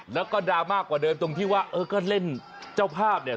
แล้วก็ดราม่ากว่าเดิมตรงที่ว่าเออก็เล่นเจ้าภาพเนี่ย